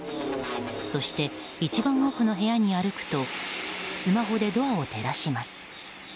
そして、一番奥の部屋に歩くとスマホでドアを照らします。